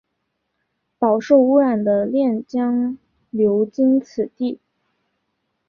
饱受污染的练江流经此地。